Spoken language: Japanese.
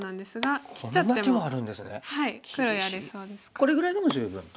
これぐらいでも十分と。